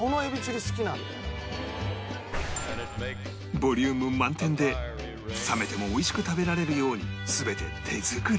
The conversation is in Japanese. ボリューム満点で冷めても美味しく食べられるように全て手作り